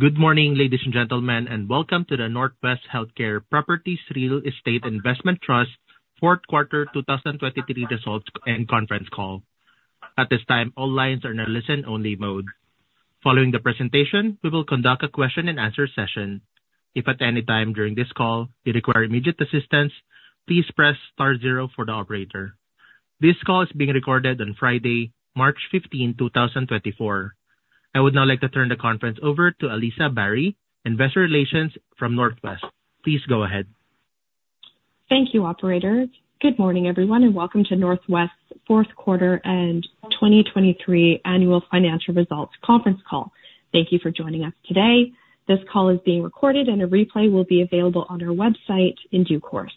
Good morning, ladies and gentlemen, and welcome to the NorthWest Healthcare Properties Real Estate Investment Trust Q4 2023 results and conference call. At this time, all lines are in a listen-only mode. Following the presentation, we will conduct a question-and-answer session. If at any time during this call you require immediate assistance, please press star 0 for the operator. This call is being recorded on Friday, March 15, 2024. I would now like to turn the conference over to Alyssa Barry, Investor Relations from NorthWest. Please go ahead. Thank you, operator. Good morning, everyone, and welcome to NorthWest's Q4 and 2023 Annual Financial Results conference call. Thank you for joining us today. This call is being recorded, and a replay will be available on our website in due course.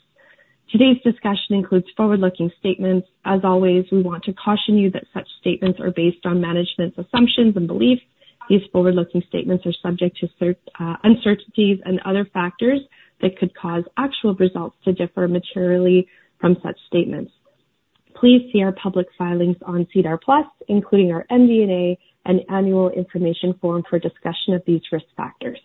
Today's discussion includes forward-looking statements. As always, we want to caution you that such statements are based on management's assumptions and beliefs. These forward-looking statements are subject to uncertainties and other factors that could cause actual results to differ materially from such statements. Please see our public filings on SEDAR+, including our MD&A and Annual Information Form for discussion of these risk factors.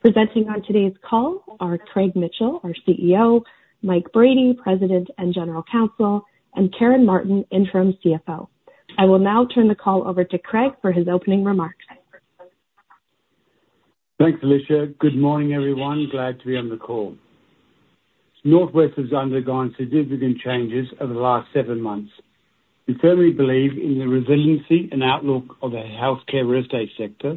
Presenting on today's call are Craig Mitchell, our CEO; Mike Brady, President and General Counsel; and Karen Martin, Interim CFO. I will now turn the call over to Craig for his opening remarks. Thanks, Alyssa. Good morning, everyone. Glad to be on the call. NorthWest has undergone significant changes over the last seven months. We firmly believe in the resiliency and outlook of the healthcare real estate sector.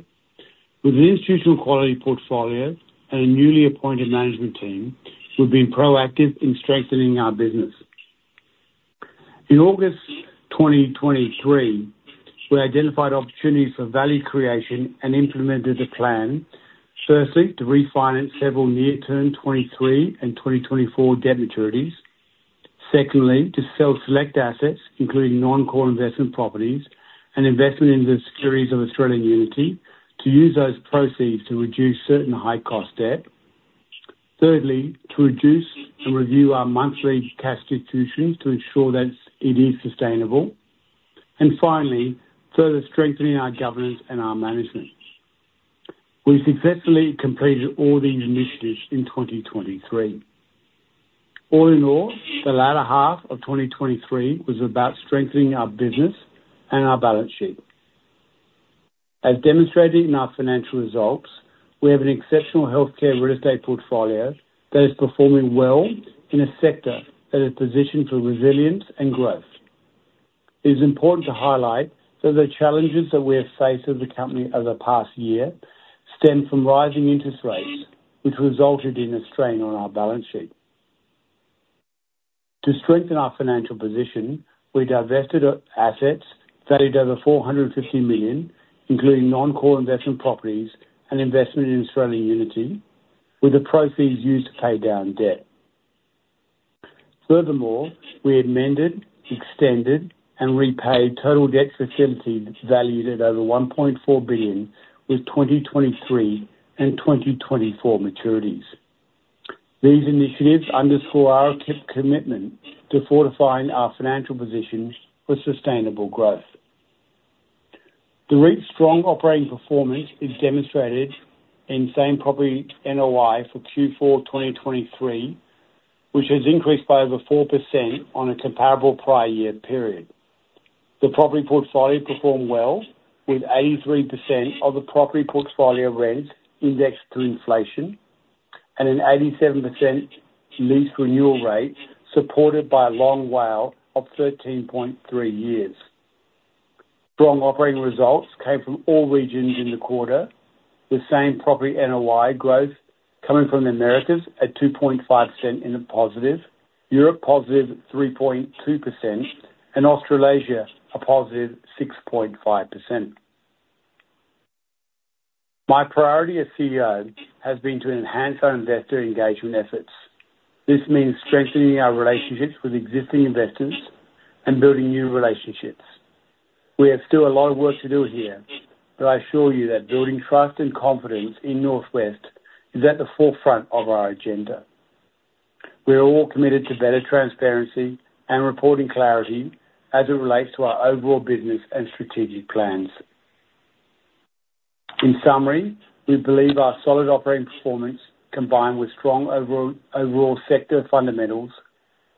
With an institutional quality portfolio and a newly appointed management team, we've been proactive in strengthening our business. In August 2023, we identified opportunities for value creation and implemented a plan. Firstly, to refinance several near-term 2023 and 2024 debt maturities. Secondly, to sell select assets, including non-core investment properties and investment in the securities of Australian Unity, to use those proceeds to reduce certain high-cost debt. Thirdly, to reduce and review our monthly cash distributions to ensure that it is sustainable. And finally, further strengthening our governance and our management. We successfully completed all these initiatives in 2023. All in all, the latter half of 2023 was about strengthening our business and our balance sheet. As demonstrated in our financial results, we have an exceptional healthcare real estate portfolio that is performing well in a sector that is positioned for resilience and growth. It is important to highlight that the challenges that we have faced as a company over the past year stem from rising interest rates, which resulted in a strain on our balance sheet. To strengthen our financial position, we divested assets valued over 450 million, including non-core investment properties and investment in Australian Unity, with the proceeds used to pay down debt. Furthermore, we amended, extended, and repaid total debt facilities valued at over 1.4 billion with 2023 and 2024 maturities. These initiatives underscore our commitment to fortifying our financial position for sustainable growth. The strong operating performance is demonstrated in same property NOI for Q4 2023, which has increased by over 4% on a comparable prior year period. The property portfolio performed well, with 83% of the property portfolio rents indexed to inflation and an 87% lease renewal rate supported by a long WALE of 13.3 years. Strong operating results came from all regions in the quarter, with same property NOI growth coming from the Americas at a positive 2.5%, Europe a positive 3.2%, and Australasia a positive 6.5%. My priority as CEO has been to enhance our investor engagement efforts. This means strengthening our relationships with existing investors and building new relationships. We have still a lot of work to do here, but I assure you that building trust and confidence in NorthWest is at the forefront of our agenda. We are all committed to better transparency and reporting clarity as it relates to our overall business and strategic plans. In summary, we believe our solid operating performance, combined with strong overall sector fundamentals,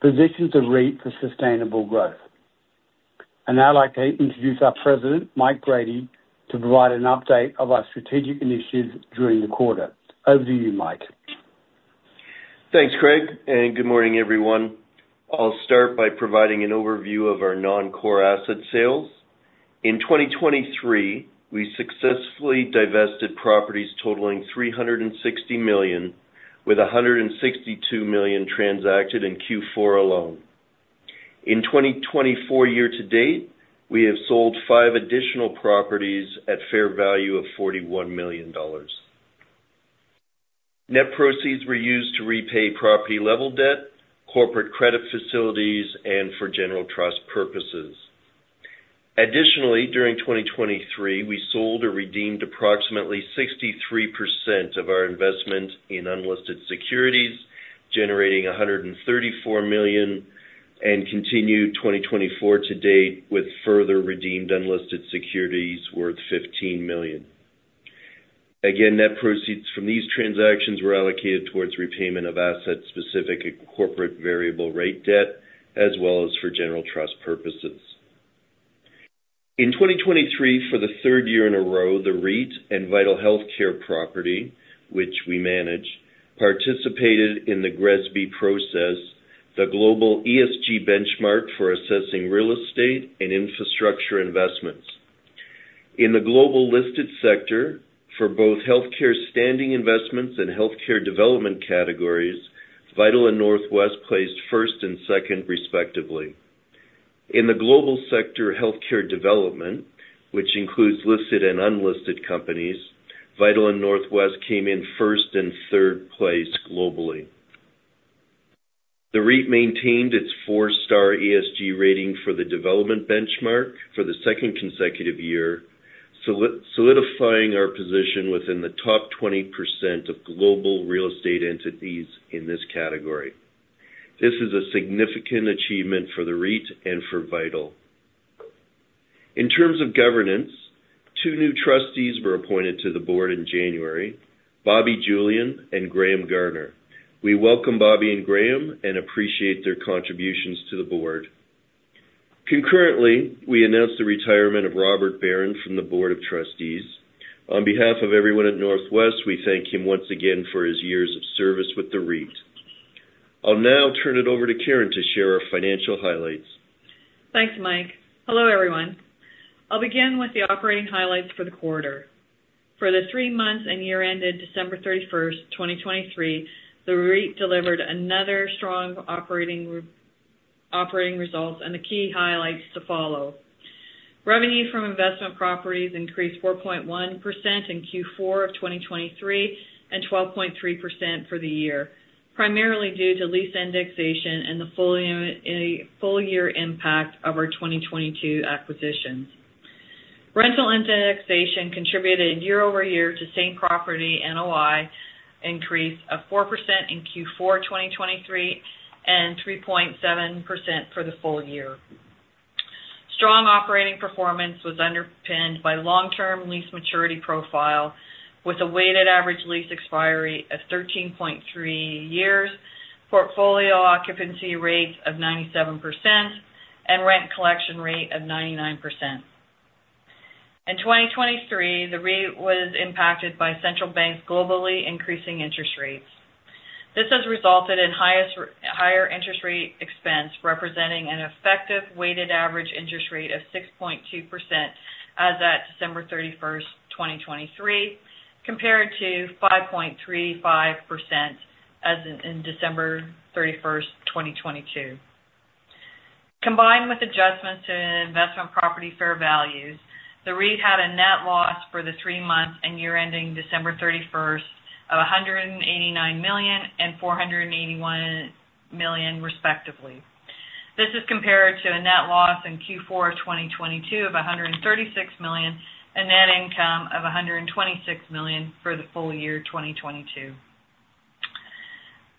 positions the REIT for sustainable growth. Now I'd like to introduce our President, Mike Brady, to provide an update of our strategic initiatives during the quarter. Over to you, Mike. Thanks, Craig, and good morning, everyone. I'll start by providing an overview of our non-core asset sales. In 2023, we successfully divested properties totaling $360 million, with $162 million transacted in Q4 alone. In 2024 year-to-date, we have sold five additional properties at a fair value of $41 million. Net proceeds were used to repay property-level debt, corporate credit facilities, and for general trust purposes. Additionally, during 2023, we sold or redeemed approximately 63% of our investment in unlisted securities, generating $134 million, and continued 2024 to date with further redeemed unlisted securities worth $15 million. Again, net proceeds from these transactions were allocated towards repayment of asset-specific corporate variable rate debt, as well as for general trust purposes. In 2023, for the third year in a row, the REIT and Vital Healthcare Property, which we manage, participated in the GRESB process, the global ESG benchmark for assessing real estate and infrastructure investments. In the global listed sector, for both healthcare standing investments and healthcare development categories, Vital and NorthWest placed first and second, respectively. In the global sector healthcare development, which includes listed and unlisted companies, Vital and NorthWest came in first and third place globally. The REIT maintained its four-star ESG rating for the development benchmark for the second consecutive year, solidifying our position within the top 20% of global real estate entities in this category. This is a significant achievement for the REIT and for Vital. In terms of governance, two new trustees were appointed to the board in January, Bobby Julien and Graham Garner. We welcome Bobby and Graham and appreciate their contributions to the board. Concurrently, we announced the retirement of Robert Barron from the board of trustees. On behalf of everyone at NorthWest, we thank him once again for his years of service with the REIT. I'll now turn it over to Karen to share our financial highlights. Thanks, Mike. Hello, everyone. I'll begin with the operating highlights for the quarter. For the three months and year ended December 31st, 2023, the REIT delivered another strong operating results and the key highlights to follow. Revenue from investment properties increased 4.1% in Q4 of 2023 and 12.3% for the year, primarily due to lease indexation and the full-year impact of our 2022 acquisitions. Rental indexation contributed year-over-year to same property NOI increase of 4% in Q4 2023 and 3.7% for the full year. Strong operating performance was underpinned by long-term lease maturity profile with a weighted average lease expiry of 13.3 years, portfolio occupancy rates of 97%, and rent collection rate of 99%. In 2023, the REIT was impacted by central banks globally increasing interest rates. This has resulted in higher interest rate expense, representing an effective weighted average interest rate of 6.2% as at December 31st, 2023, compared to 5.35% as in December 31st, 2022. Combined with adjustments to investment property fair values, the REIT had a net loss for the three months and year-ending December 31st of 189 million and 481 million, respectively. This is compared to a net loss in Q4 of 2022 of 136 million and net income of 126 million for the full year 2022.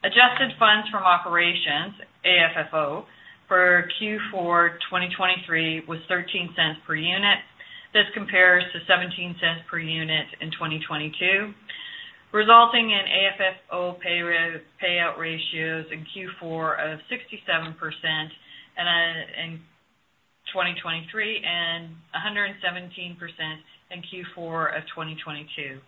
Adjusted funds from operations, AFFO, for Q4 2023 was 0.13 per unit. This compares to 0.17 per unit in 2022, resulting in AFFO payout ratios in Q4 of 67% in 2023 and 117% in Q4 of 2022.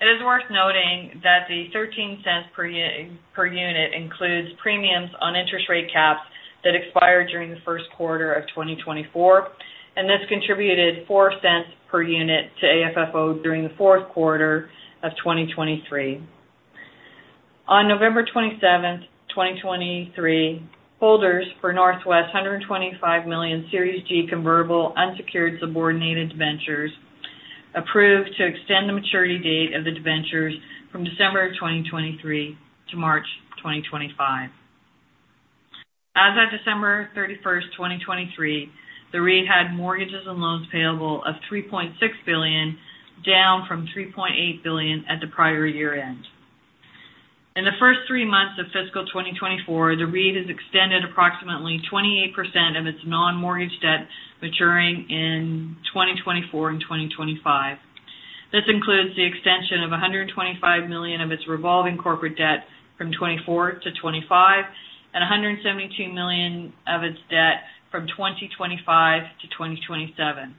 It is worth noting that the 0.13 per unit includes premiums on interest rate caps that expired during the Q1 of 2024, and this contributed 0.04 per unit to AFFO during the Q4 of 2023. On November 27th, 2023, holders of NorthWest 125 million Series G Convertible Unsecured Subordinated Debentures approved to extend the maturity date of the debentures from December 2023 to March 2025. As of December 31st, 2023, the REIT had mortgages and loans payable of 3.6 billion, down from 3.8 billion at the prior year-end. In the first three months of fiscal 2024, the REIT has extended approximately 28% of its non-mortgage debt maturing in 2024 and 2025. This includes the extension of 125 million of its revolving corporate debt from 2024 to 2025 and 172 million of its debt from 2025 to 2027.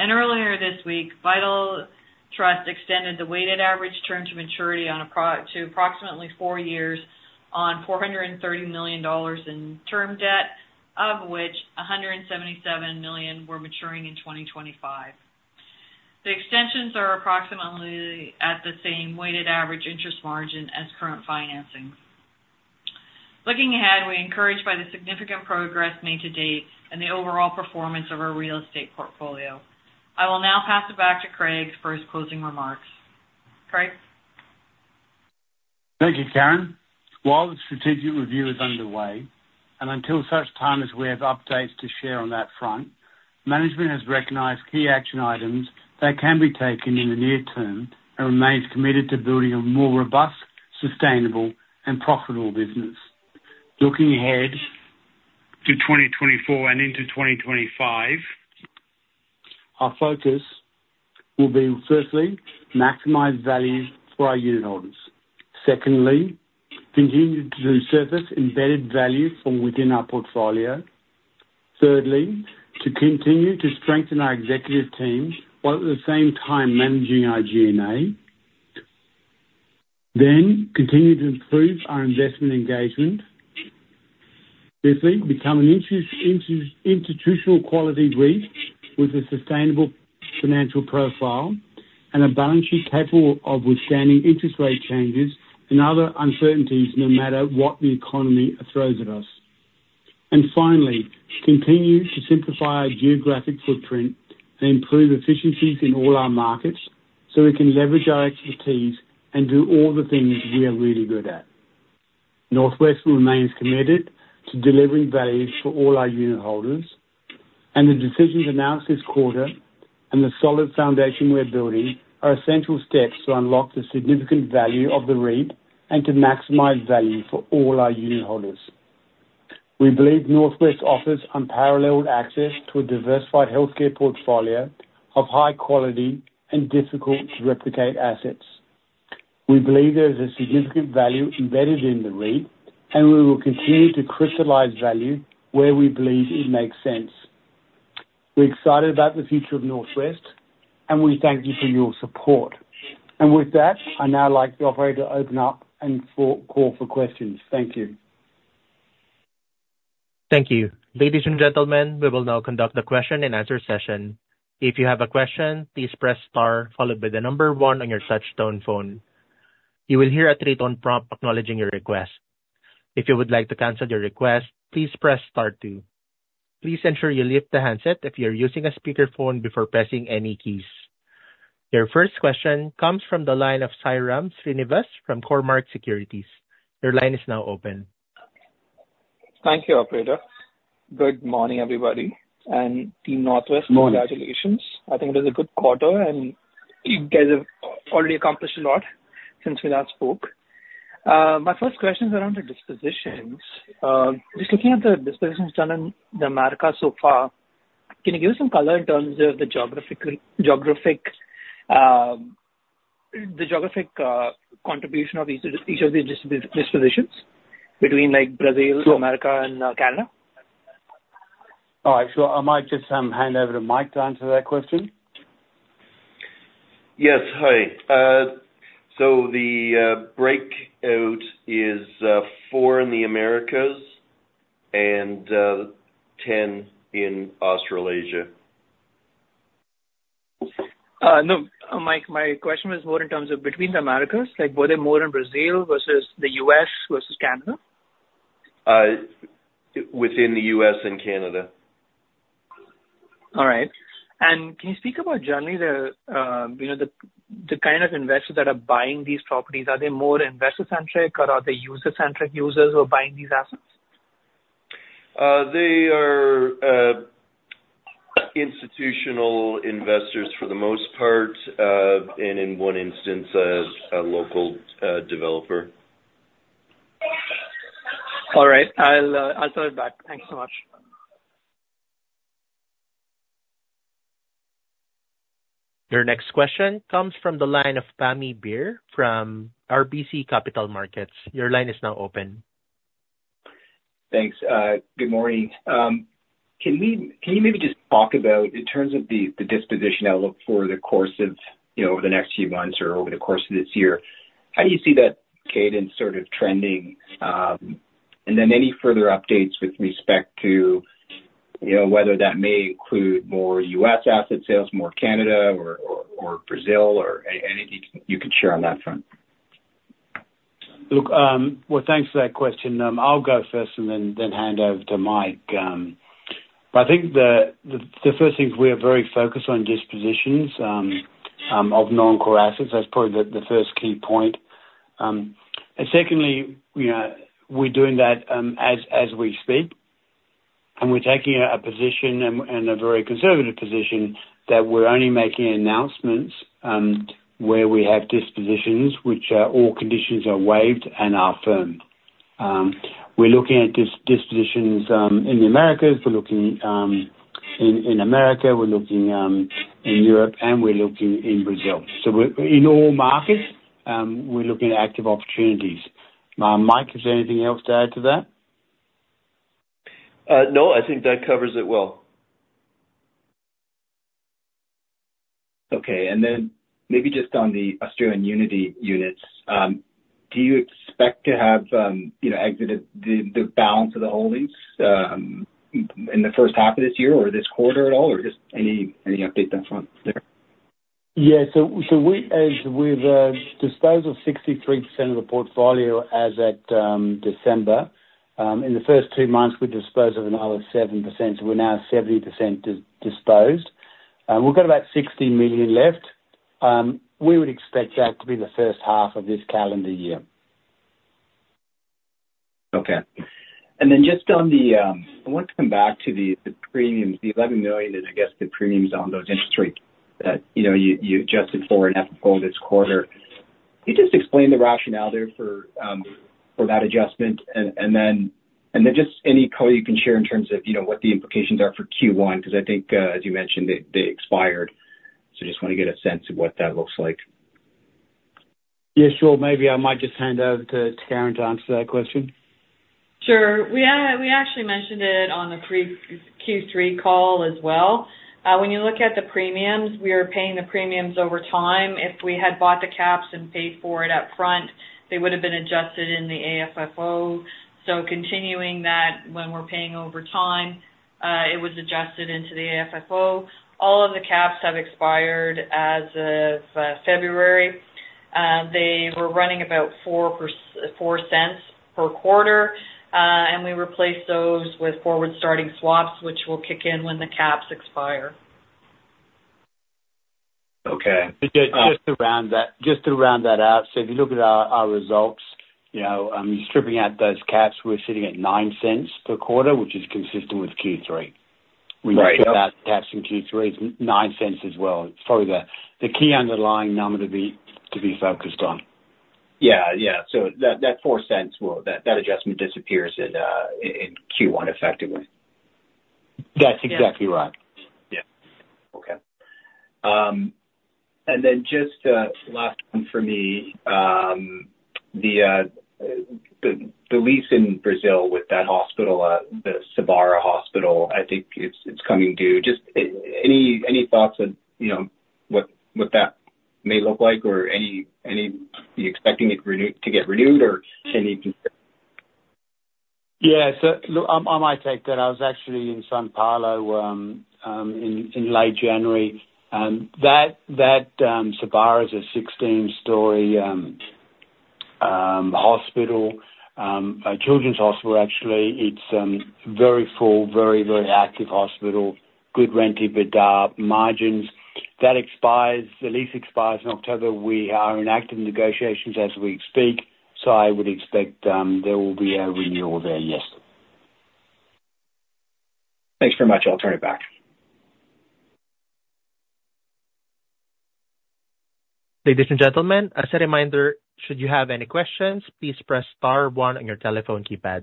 Earlier this week, Vital Trust extended the weighted average term to maturity to approximately 4 years on 430 million dollars in term debt, of which 177 million were maturing in 2025. The extensions are approximately at the same weighted average interest margin as current financing. Looking ahead, we encouraged by the significant progress made to date and the overall performance of our real estate portfolio. I will now pass it back to Craig for his closing remarks. Craig? Thank you, Karen. While the strategic review is underway, and until such time as we have updates to share on that front, management has recognized key action items that can be taken in the near term and remains committed to building a more robust, sustainable, and profitable business. Looking ahead to 2024 and into 2025, our focus will be, firstly, maximize value for our unit holders. Secondly, continue to surface embedded value from within our portfolio. Thirdly, to continue to strengthen our executive team while at the same time managing our G&A. Then, continue to improve our investor engagement. Fifthly, become an institutional quality REIT with a sustainable financial profile and a balance sheet capable of withstanding interest rate changes and other uncertainties no matter what the economy throws at us. Finally, continue to simplify our geographic footprint and improve efficiencies in all our markets so we can leverage our expertise and do all the things we are really good at. NorthWest remains committed to delivering value for all our unit holders, and the decisions announced this quarter and the solid foundation we're building are essential steps to unlock the significant value of the REIT and to maximize value for all our unit holders. We believe NorthWest offers unparalleled access to a diversified healthcare portfolio of high quality and difficult-to-replicate assets. We believe there is a significant value embedded in the REIT, and we will continue to crystallize value where we believe it makes sense. We're excited about the future of NorthWest, and we thank you for your support. And with that, I'd now like the operator to open up and call for questions. Thank you. Thank you. Ladies and gentlemen, we will now conduct the question-and-answer session. If you have a question, please press Star followed by the number 1 on your touch-tone phone. You will hear a three-tone prompt acknowledging your request. If you would like to cancel your request, please press Star 2. Please ensure you lift the handset if you're using a speakerphone before pressing any keys. Your first question comes from the line of Sairam Srinivas from Cormark Securities. Your line is now open. Thank you, operator. Good morning, everybody. Team NorthWest, congratulations. I think it is a good quarter, and you guys have already accomplished a lot since we last spoke. My first question is around the dispositions. Just looking at the dispositions done in America so far, can you give us some color in terms of the geographic contribution of each of these dispositions between Brazil, America, and Canada? Oh, sure. And I just hand over the mic to answer that question? Yes. Hi. So the breakout is 4 in the Americas and 10 in Australasia. No, Mike, my question was more in terms of between the Americas. Were they more in Brazil versus the US versus Canada? Within the U.S. and Canada. All right. Can you speak about, generally, the kind of investors that are buying these properties? Are they more investor-centric, or are they user-centric users who are buying these assets? They are institutional investors for the most part and, in one instance, a local developer. All right. I'll turn it back. Thanks so much. Your next question comes from the line of Pammi Bir from RBC Capital Markets. Your line is now open. Thanks. Good morning. Can you maybe just talk about, in terms of the disposition outlook for the course of over the next few months or over the course of this year, how do you see that cadence sort of trending? And then any further updates with respect to whether that may include more U.S. asset sales, more Canada, or Brazil, or anything you could share on that front? Look, well, thanks for that question. I'll go first and then hand over to Mike. But I think the first thing is we are very focused on dispositions of non-core assets. That's probably the first key point. And secondly, we're doing that as we speak. And we're taking a position and a very conservative position that we're only making announcements where we have dispositions, which all conditions are waived and are firm. We're looking at dispositions in the Americas. We're looking in America. We're looking in Europe. And we're looking in Brazil. So in all markets, we're looking at active opportunities. Mike, is there anything else to add to that? No, I think that covers it well. Okay. And then maybe just on the Australian Unity units, do you expect to have exited the balance of the holdings in the first half of this year or this quarter at all, or just any update on that front there? Yeah. So as we've disposed of 63% of the portfolio as of December, in the first two months, we disposed of another 7%. So we're now 70% disposed. We've got about 60 million left. We would expect that to be the first half of this calendar year. Okay. And then just on the, I want to come back to the premiums, the 11 million and, I guess, the premiums on those interest rates that you adjusted for and had to hold this quarter. Can you just explain the rationale there for that adjustment? And then just any color you can share in terms of what the implications are for Q1 because I think, as you mentioned, they expired. So I just want to get a sense of what that looks like. Yeah, sure. Maybe I might just hand over to Karen to answer that question. Sure. We actually mentioned it on the Q3 call as well. When you look at the premiums, we are paying the premiums over time. If we had bought the caps and paid for it upfront, they would have been adjusted in the AFFO. So continuing that, when we're paying over time, it was adjusted into the AFFO. All of the caps have expired as of February. They were running about 0.04 per quarter. And we replaced those with forward starting swaps, which will kick in when the caps expire. Okay. Just to round that out, so if you look at our results, stripping out those caps, we're sitting at 0.09 per quarter, which is consistent with Q3. We ripped out caps in Q3. It's 0.09 as well. It's probably the key underlying number to be focused on. Yeah. Yeah. So that 0.04, that adjustment disappears in Q1 effectively. That's exactly right. Yeah. Okay. And then just last one for me, the lease in Brazil with that hospital, the Sabará Hospital, I think it's coming due. Just any thoughts on what that may look like or any expecting it to get renewed or any concerns? Yeah. So look, I might take that. I was actually in São Paulo in late January. That Sabará is a 16-story children's hospital, actually. It's a very full, very, very active hospital, good rent-to, EBITDA margins. The lease expires in October. We are in active negotiations as we speak. So I would expect there will be a renewal there. Yes. Thanks very much. I'll turn it back. Ladies and gentlemen, as a reminder, should you have any questions, please press Star 1 on your telephone keypad.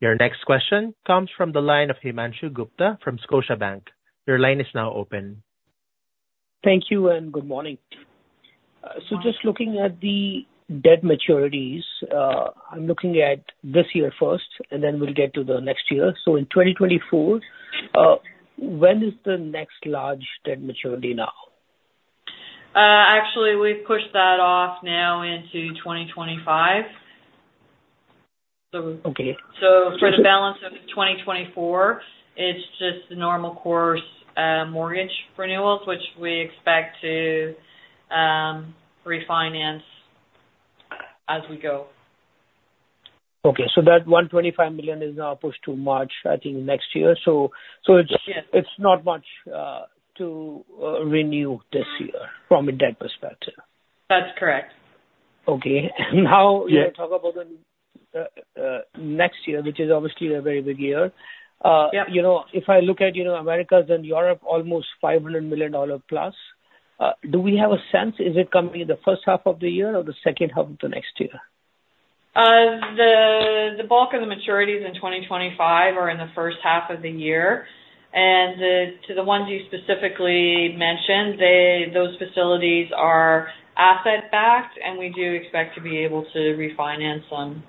Your next question comes from the line of Himanshu Gupta from Scotiabank. Your line is now open. Thank you and good morning. So just looking at the debt maturities, I'm looking at this year first, and then we'll get to the next year. So in 2024, when is the next large debt maturity now? Actually, we've pushed that off now into 2025. So for the balance of 2024, it's just the normal course mortgage renewals, which we expect to refinance as we go. Okay. So that 125 million is now pushed to March, I think, next year. So it's not much to renew this year from a debt perspective. That's correct. Okay. Now, you talk about next year, which is obviously a very big year. If I look at Americas and Europe, almost $500 million plus, do we have a sense is it coming in the first half of the year or the second half of the next year? The bulk of the maturities in 2025 are in the first half of the year. To the ones you specifically mentioned, those facilities are asset-backed, and we do expect to be able to refinance them.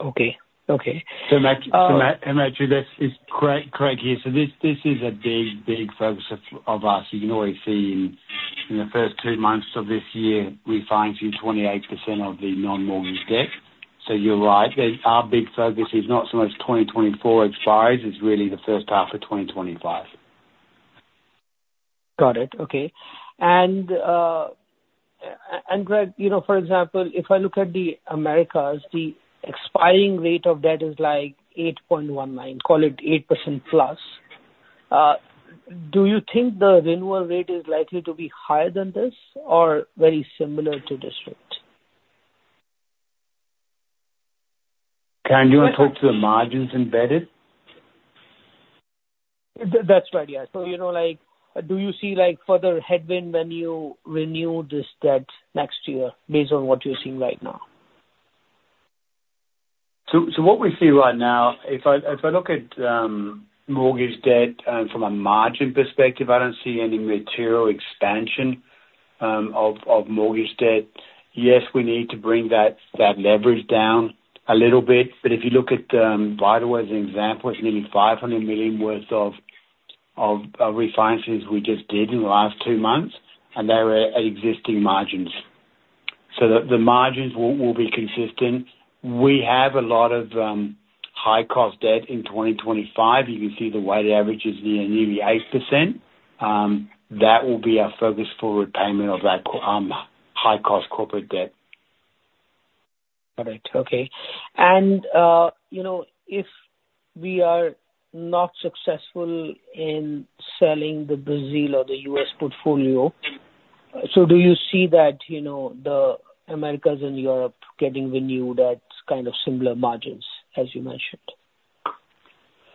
Okay. Okay. So, Himanshu, this is Craig here. So this is a big, big focus of us. You can always see in the first two months of this year, we're financing 28% of the non-mortgage debt. So you're right. Our big focus is not so much 2024 expires; it's really the first half of 2025. Got it. Okay. Craig, for example, if I look at the Americas, the expiring rate of debt is like 8.19, call it 8%+. Do you think the renewal rate is likely to be higher than this or very similar to this? Karen, do you want to talk to the margins embedded? That's right. Yeah. So do you see further headwind when you renew this debt next year based on what you're seeing right now? What we see right now, if I look at mortgage debt from a margin perspective, I don't see any material expansion of mortgage debt. Yes, we need to bring that leverage down a little bit. If you look at Vital Trust as an example, it's nearly 500 million worth of refinances we just did in the last two months, and they were at existing margins. So the margins will be consistent. We have a lot of high-cost debt in 2025. You can see the weighted average is nearly 8%. That will be our focus for repayment of that high-cost corporate debt. Got it. Okay. If we are not successful in selling the Brazil or the U.S. portfolio, so do you see that the Americas and Europe getting renewed at kind of similar margins, as you mentioned?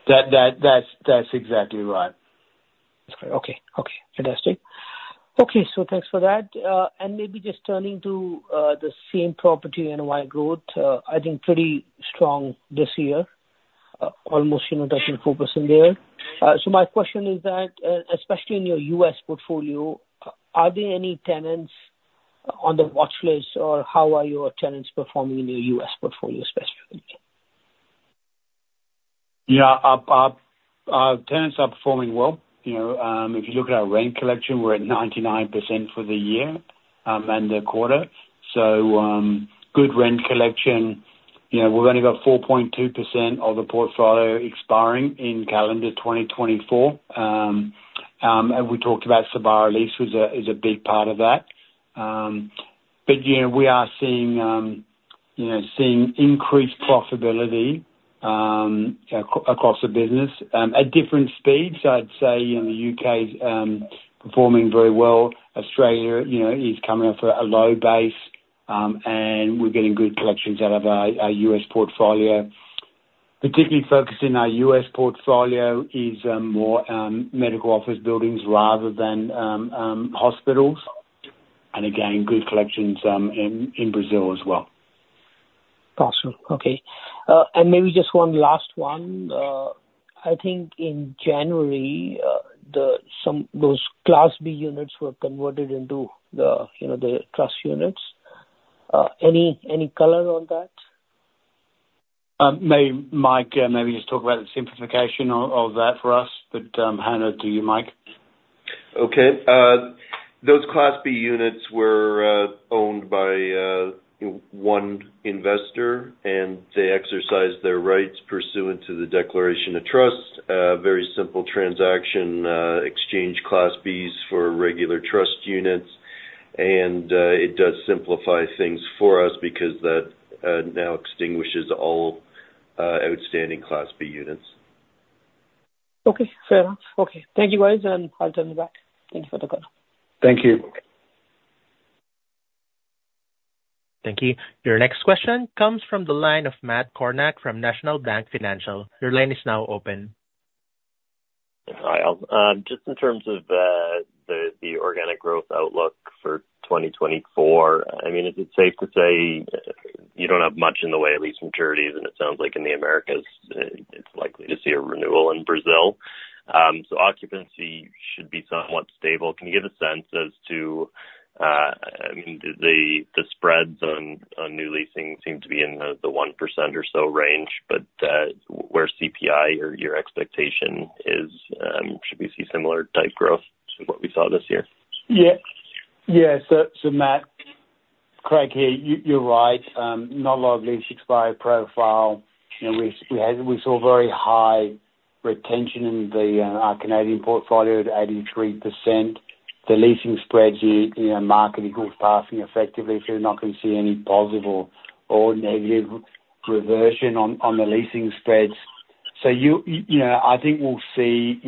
That's exactly right. That's correct. Okay. Okay. Fantastic. Okay. So thanks for that. And maybe just turning to the same property and NOI growth, I think pretty strong this year, almost touching 4% there. So my question is that, especially in your US portfolio, are there any tenants on the watchlist, or how are your tenants performing in your US portfolio specifically? Yeah. Tenants are performing well. If you look at our rent collection, we're at 99% for the year and the quarter. So good rent collection. We've only got 4.2% of the portfolio expiring in calendar 2024. And we talked about Sabará lease is a big part of that. But we are seeing increased profitability across the business at different speeds. I'd say the U.K. is performing very well. Australia is coming off a low base, and we're getting good collections out of our U.S. portfolio. Particularly focused in our U.S. portfolio is more medical office buildings rather than hospitals. And again, good collections in Brazil as well. Awesome. Okay. Maybe just one last one. I think in January, those Class B Units were converted into the trust units. Any color on that? Mike, maybe just talk about the simplification of that for us. But hand it to you, Mike? Okay. Those Class B Units were owned by one investor, and they exercised their rights pursuant to the declaration of trust. Very simple transaction, exchange Class Bs for regular trust units. It does simplify things for us because that now extinguishes all outstanding Class B Units. Okay. Fair enough. Okay. Thank you, guys. I'll turn it back. Thank you for the call. Thank you. Thank you. Your next question comes from the line of Matt Kornack from National Bank Financial. Your line is now open. Hi. [inaudible] Just in terms of the organic growth outlook for 2024, I mean, is it safe to say you don't have much in the way, at least maturities, and it sounds like in the Americas, it's likely to see a renewal in Brazil? So occupancy should be somewhat stable. Can you give a sense as to, I mean, the spreads on new leasing seem to be in the 1% or so range. But where CPI, your expectation is, should we see similar type growth to what we saw this year? Yeah. Yeah. So Matt, Craig here, you're right. Not a lot of lease expire profile. We saw very high retention in our Canadian portfolio at 83%. The leasing spreads market equals passing effectively. So you're not going to see any positive or negative reversion on the leasing spreads. So I think we'll see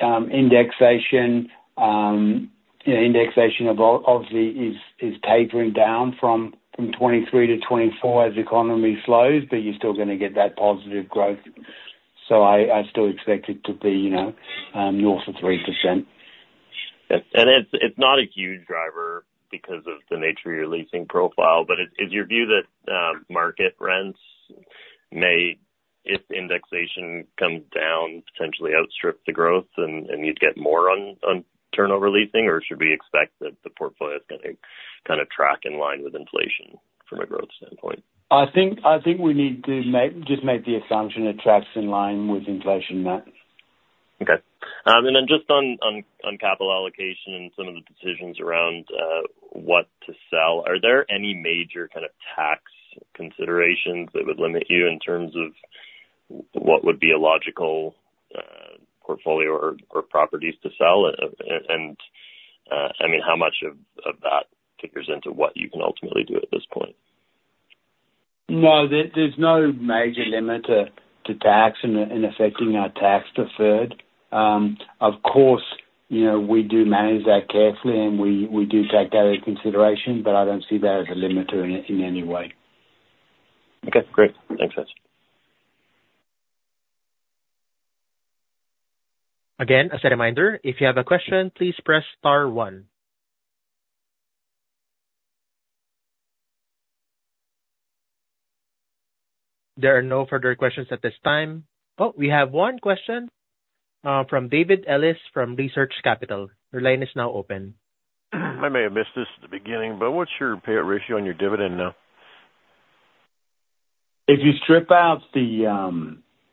indexation. Indexation, obviously, is tapering down from 2023 to 2024 as the economy slows, but you're still going to get that positive growth. So I still expect it to be north of 3%. It's not a huge driver because of the nature of your leasing profile. Is your view that market rents, if indexation comes down, potentially outstrip the growth, and you'd get more on turnover leasing? Or should we expect that the portfolio is going to kind of track in line with inflation from a growth standpoint? I think we need to just make the assumption it tracks in line with inflation, Matt. Okay. Then just on capital allocation and some of the decisions around what to sell, are there any major kind of tax considerations that would limit you in terms of what would be a logical portfolio or properties to sell? And I mean, how much of that figures into what you can ultimately do at this point? No. There's no major limiter to tax in affecting our tax-deferred. Of course, we do manage that carefully, and we do take that into consideration, but I don't see that as a limiter in any way. Okay. Great. Thanks, guys. Again, as a reminder, if you have a question, please press Star 1. There are no further questions at this time. Oh, we have one question from David Ellis from Research Capital. Your line is now open. I may have missed this at the beginning, but what's your payout ratio on your dividend now? If you strip out the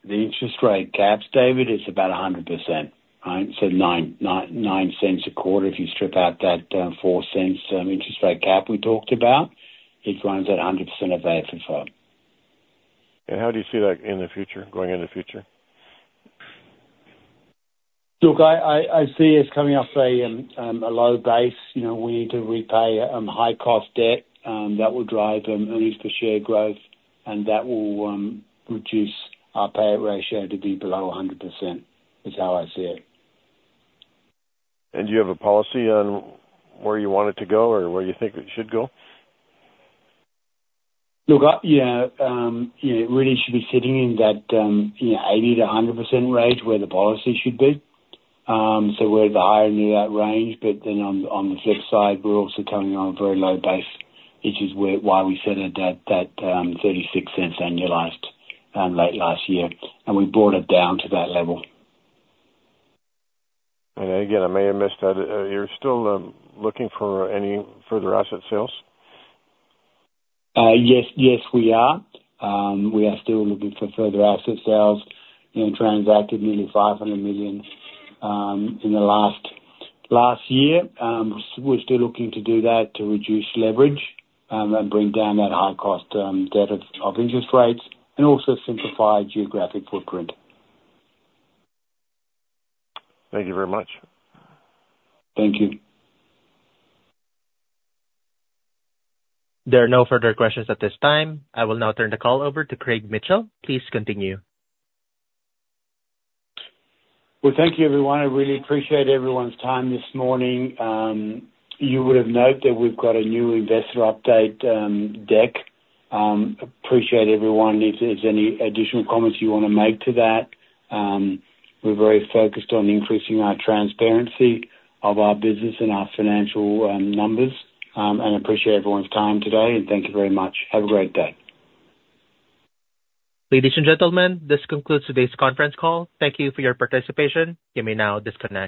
interest rate caps, David, it's about 100%, right? So 0.09 a quarter. If you strip out that 0.04 interest rate cap we talked about, it runs at 100% of AFFO. How do you see that going into the future? Look, I see it's coming off a low base. We need to repay high-cost debt. That will drive earnings per share growth, and that will reduce our payout ratio to be below 100%, is how I see it. Do you have a policy on where you want it to go or where you think it should go? Look, yeah. It really should be sitting in that 80%-100% range where the policy should be. So we're at the higher end of the range. But then on the flip side, we're also coming from a very low base, which is why we set it at that 0.36 annualized late last year. And we brought it down to that level. Again, I may have missed that. You're still looking for any further asset sales? Yes. Yes, we are. We are still looking for further asset sales. We transacted nearly 500 million in the last year. We're still looking to do that to reduce leverage and bring down that high-cost debt of interest rates and also simplify geographic footprint. Thank you very much. Thank you. There are no further questions at this time. I will now turn the call over to Craig Mitchell. Please continue. Well, thank you, everyone. I really appreciate everyone's time this morning. You would have noted that we've got a new investor update deck. Appreciate everyone. If there's any additional comments you want to make to that, we're very focused on increasing our transparency of our business and our financial numbers. Appreciate everyone's time today. And thank you very much. Have a great day. Ladies and gentlemen, this concludes today's conference call. Thank you for your participation. You may now disconnect.